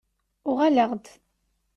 Uɣaleɣ-d.